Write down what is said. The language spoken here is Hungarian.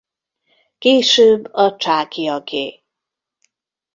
Később a Csákyaké.